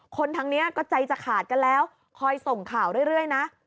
ทางนี้ก็ใจจะขาดกันแล้วคอยส่งข่าวเรื่อยนะ